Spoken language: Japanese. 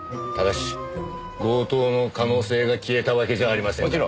ただし強盗の可能性が消えたわけじゃありませんから。